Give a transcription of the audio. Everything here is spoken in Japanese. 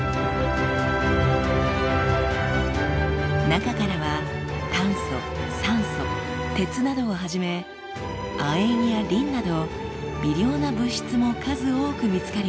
中からは炭素酸素鉄などをはじめ亜鉛やリンなど微量な物質も数多く見つかります。